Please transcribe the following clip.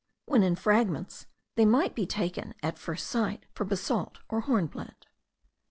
When in fragments, they might be taken at first sight for basalt or hornblende.